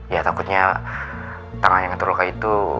ya takutnya tangan yang terluka itu